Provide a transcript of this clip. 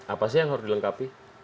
apa sih yang harus dilengkapi